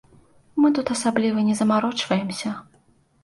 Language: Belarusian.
Мы тут асабліва не замарочваемся.